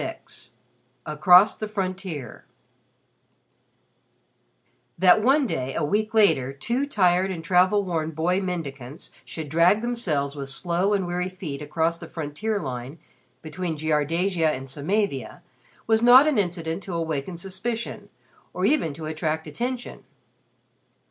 XXVI ACROSS THE FRONTIER That one day, a week later, two tired and travel worn boy mendicants should drag themselves with slow and weary feet across the frontier line between Jiardasia and Samavia, was not an incident to awaken suspicion or even to attract attention.